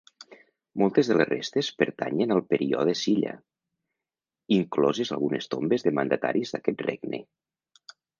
Moltes de les restes pertanyen al període Silla, incloses algunes tombes de mandataris d'aquest regne.